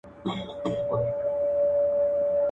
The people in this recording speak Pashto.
نه خيام سته د توبو د ماتولو.